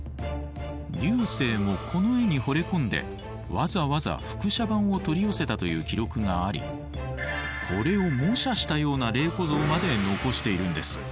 劉生もこの絵にほれ込んでわざわざ複写版を取り寄せたという記録がありこれを模写したような麗子像まで残しているんです。